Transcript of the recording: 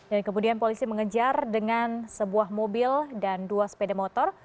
dan kemudian polisi mengejar dengan sebuah mobil dan dua sepeda motor